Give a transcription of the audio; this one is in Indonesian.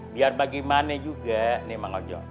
biar bagaimana juga nih mang hojo